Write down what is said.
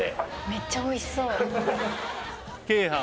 めっちゃおいしそう鶏飯！